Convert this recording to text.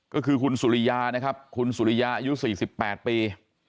ก็คือคุณสุริยานะครับคุณสุริยาอายุ๔๘ปี